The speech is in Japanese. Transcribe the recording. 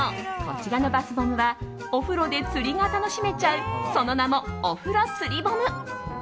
そう、こちらのバスボムはお風呂で釣りが楽しめちゃうその名も、おふろ釣りボム。